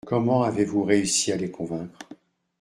Comment avez-vous réussi à les convaincre ?